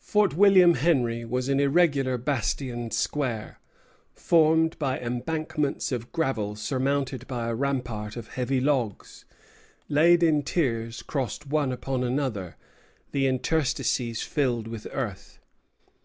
Fort William Henry was an irregular bastioned square, formed by embankments of gravel surmounted by a rampart of heavy logs, laid in tiers crossed one upon another, the interstices filled with earth.